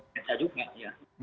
bisa juga ya